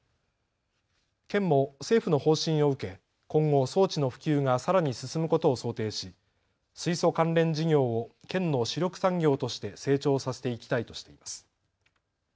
県も政府の方針を受け今後、装置の普及がさらに進むことを想定し水素関連事業を県の主力産業として成長させていきたいとしています。